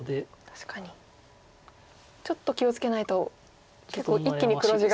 確かにちょっと気を付けないと結構一気に黒地が。